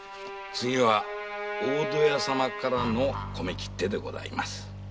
次は大戸屋様からの米切手でございます。